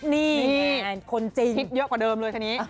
นี่คิดเยอะกว่าเดิมเลยค่ะนี้